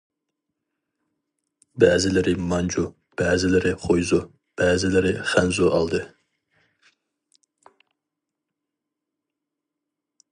بەزىلىرى مانجۇ، بەزىلىرى خۇيزۇ، بەزىلىرى خەنزۇ ئالدى.